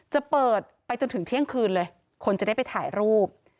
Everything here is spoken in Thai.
จะเปิดไปจนถึงเที่ยงคืนเลยคนจะได้ไปถ่ายรูป